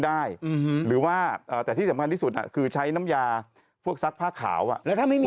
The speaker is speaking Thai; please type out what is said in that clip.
หรือว่าแต่ที่สำคัญที่สุดคือใช้น้ำยาพวกซักผ้าขาวอ่ะแล้วถ้าไม่มี